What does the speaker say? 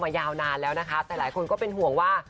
มันยาวนานแล้วแต่หลายคนก็ห่วงว่า